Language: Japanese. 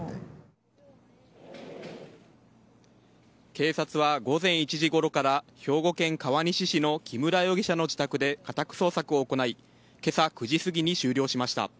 警察は午前１時ごろから兵庫県川西市の木村容疑者の自宅で家宅捜索を行いけさ９時すぎに終了しました。